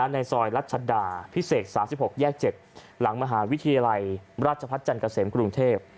ในซอยรัชดาพิเศษ๓๖แยก๗หลังมหาวิทยาลัยราชพัฒนจันทร์เกษมกรุงเทพ